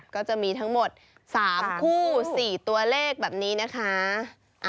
ก็จะมีทั้งหมด๓คู่๔ตัวเลขแบบนี้นะคะ